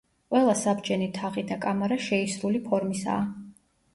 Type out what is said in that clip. ყველა საბჯენი თაღი და კამარა შეისრული ფორმისაა.